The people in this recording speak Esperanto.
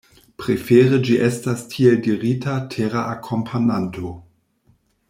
Prefere ĝi estas tiel dirita tera akompananto.